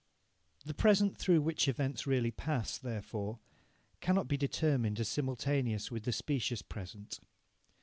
The present through which events really pass, therefore, cannot be determined as simultaneous with the specious present.